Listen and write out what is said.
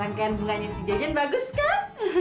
rangkaian bunganya si jajan bagus kan